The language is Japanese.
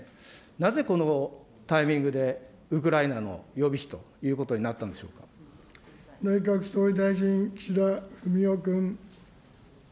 なぜこのタイミングで、ウクライナの予備費ということになったん内閣総理大臣、岸田文雄君。